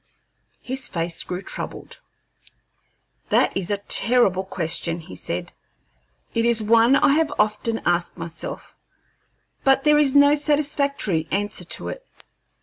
His face grew troubled. "That is a terrible question," he said. "It is one I have often asked myself; but there is no satisfactory answer to it.